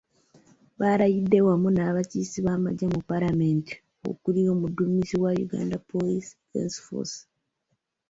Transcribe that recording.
Balayidde wamu n’abakiise b’amagye mu Paalamenti okuli omuduumizi wa Uganda People's Defence Force.